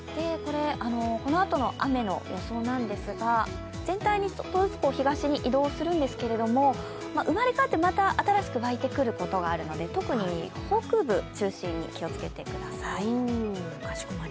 このあとの雨の予想なんですが全体に東に移動するんですが生まれ変わって新しく沸いてくることがあるので特に北部中心に気をつけてください。